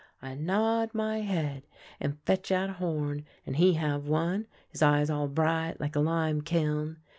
I nod my head, and fetch out a horn, and he have one, his eyes all bright like a lime kiln.